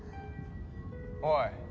おい！